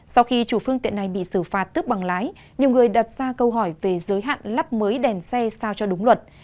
sau khi chủ phương tiện này bị xử phạt tước bằng lái nhiều người đặt ra câu hỏi về giới hạn lắp mới đèn xe sao cho đúng luật